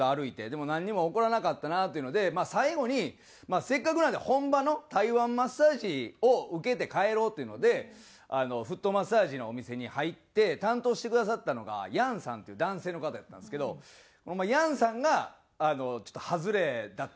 でもなんにも起こらなかったなというので最後にせっかくなんで本場の台湾マッサージを受けて帰ろうというのでフットマッサージのお店に入って担当してくださったのがヤンさんっていう男性の方やったんですけどヤンさんがちょっと外れだったんですよ。